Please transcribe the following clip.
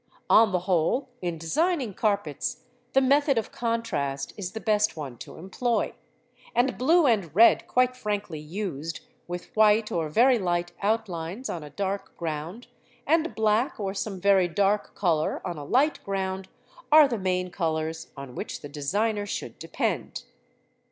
On the whole, in designing carpets the method of contrast is the best one to employ, and blue and red, quite frankly used, with white or very light outlines on a dark ground, and black or some very dark colour on a light ground, are the main colours on which the designer should depend.